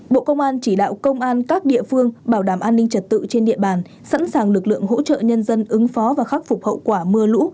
bộ công an chỉ đạo công an các địa phương bảo đảm an ninh trật tự trên địa bàn sẵn sàng lực lượng hỗ trợ nhân dân ứng phó và khắc phục hậu quả mưa lũ